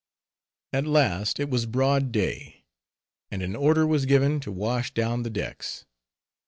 At last it was broad day, and an order was given to wash down the decks.